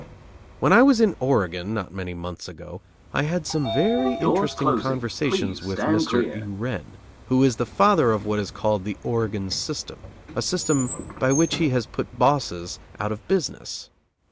When I was in Oregon, not many months ago, I had some very interesting conversations with Mr. U'Ren, who is the father of what is called the Oregon System, a system by which he has put bosses out of business.